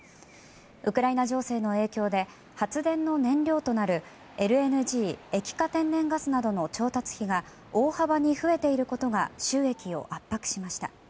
ウクライナ情勢の影響で発電の燃料となるＬＮＧ・液化天然ガスなどの調達費が大幅に増えていることが収益を圧迫しました。